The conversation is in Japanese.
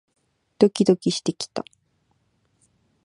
ドキドキしてきた